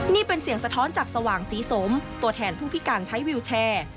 นี่เป็นเสียงสะท้อนจากสว่างศรีสมตัวแทนผู้พิการใช้วิวแชร์